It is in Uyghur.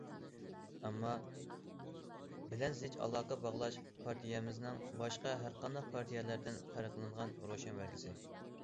ئامما بىلەن زىچ ئالاقە باغلاش پارتىيەمىزنىڭ باشقا ھەرقانداق پارتىيەلەردىن پەرقلىنىدىغان روشەن بەلگىسى.